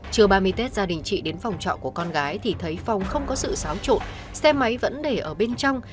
trưa ba mươi tết gia đình chị đến phòng trọ của con gái thì thấy phòng không có sự xáo trộn xe máy vẫn để ở bên trong